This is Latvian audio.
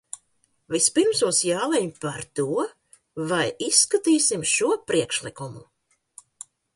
Vispirms mums jālemj par to, vai izskatīsim šo priekšlikumu.